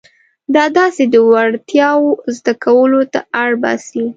دا تاسې د وړتیاوو زده کولو ته اړ باسي.